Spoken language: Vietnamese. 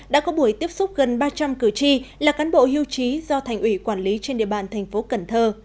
đã có buổi tiếp xúc gần ba trăm linh cử tri là cán bộ hưu trí do thành ủy quản lý trên địa bàn thành phố cần thơ